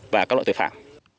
và các loại tội phạm